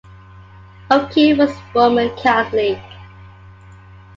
O'Keefe was Roman Catholic.